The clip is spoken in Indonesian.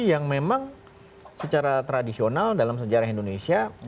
yang memang secara tradisional dalam sejarah indonesia